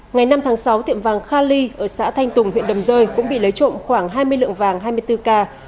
ngày năm tháng sáu tiệm vàng kha ly ở xã thanh tùng huyện đầm rơi cũng bị lấy trộm khoảng hai mươi lượng vàng hai mươi bốn k